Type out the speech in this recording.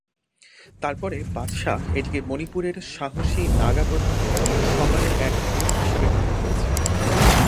তারপরে বাদশাহ এটিকে মণিপুরের সাহসী নাগা প্রধানদের সম্মানের এক রূপ হিসাবে গ্রহণ করেছিলেন।